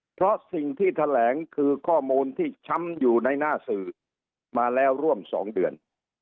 เพราะสิ่งที่แถลงคือข้อมูลที่ช้ำอยู่ในหน้าสื่อมาแล้วร่วม๒เดือน